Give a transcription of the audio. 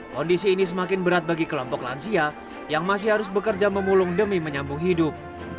kondisi ini semakin berat bagi kelompok lansia yang masih harus bekerja memulung demi menyambung hidup